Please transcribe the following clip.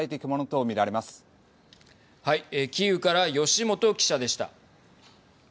キーウから吉本記者でした。